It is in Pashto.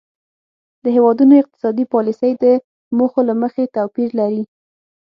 د هیوادونو اقتصادي پالیسۍ د موخو له مخې توپیر لري